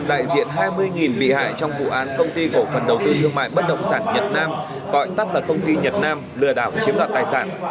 một số công dân đại diện hai mươi bị hại trong vụ án công ty cổ phần đầu tư thương mại bất đồng sản nhật nam gọi tắt là công ty nhật nam lừa đảo chiếm đoạt tài sản